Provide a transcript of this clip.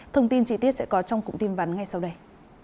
thông tin chi tiết sẽ có trong cụm tin vắn ngay sau đây